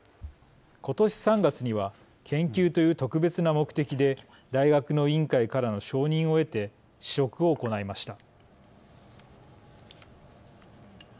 今年３月には研究という特別な目的で大学の委員会からの承認を得て試食を行いました。